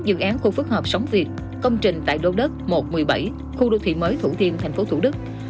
bốn dự án khu phức hợp sóng việt công trình tại đô đất một một mươi bảy khu đô thị mới thủ thiên tp thủ đức